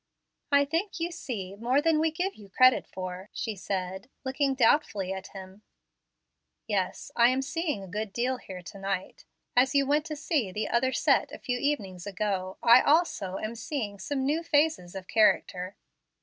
"I think you see more than we give you credit for," she Said, looking doubtfully at him. "'We'? who are 'we'? Yes, I am seeing a good deal here to night. As you went to see the 'other set' a few evenings ago, I also am seeing some new phases of character."